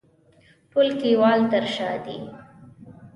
ټول کلیوال تر شا دي.